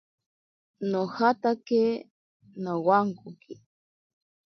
Nojataje nowankoki.